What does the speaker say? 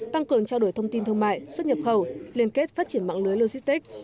tăng cường trao đổi thông tin thương mại xuất nhập khẩu liên kết phát triển mạng lưới logistics